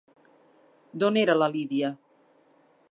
D'on era la Lidia?